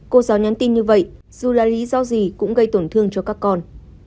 cô giáo nhắn tin như vậy dù là lý do gì cũng gây tổn thương cho các con